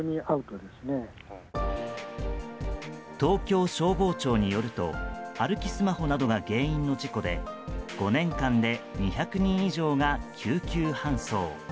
東京消防庁によると歩きスマホなどが原因の事故で５年間で２００人以上が救急搬送。